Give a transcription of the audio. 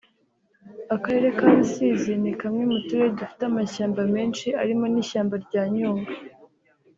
Akarere ka Rusizi ni kamwe mu turere dufite amashyamba menshi arimo n’ishyamba rya Nyungwe